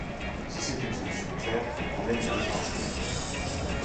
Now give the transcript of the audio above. Ceci est une solution claire au problème de l'étrangeté.